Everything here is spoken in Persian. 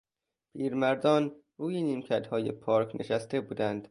پیرمردان روی نیمکتهای پارک نشسته بودند.